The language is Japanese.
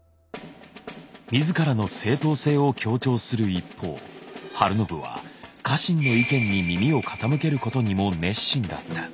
自らの正当性を強調する一方晴信は家臣の意見に耳を傾けることにも熱心だった。